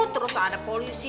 terus ada polisi